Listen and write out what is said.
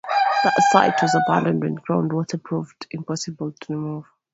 That site was abandoned when ground water proved impossible to remove.